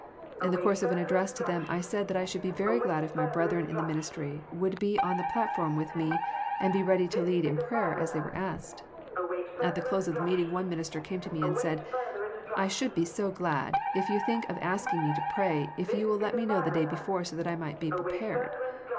In the course of an address to them I said that I should be very glad if my brethren in the ministry would be on the platform with me and be ready to lead in prayer as they were asked. At the close of the meeting one minister came to me and said, " I should be so glad if you think of asking me to pray if you will let me know the day before so that I may be prepared."